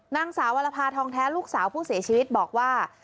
นางสาววรภาทองแท้ลูกสาวผู้เสียชีวิตบอกว่า